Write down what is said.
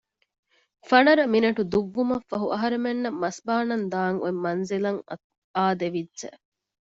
ފަނަރަ މިނެޓު ދުއްވުމަށްފަހު އަހަރެމެންނަށް މަސްބާނަން ދާން އޮތް މަންޒިލަށް އާދެވިއްޖެ